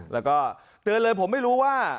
แล้วก็เตือนเลยผมไม่รู้ว่า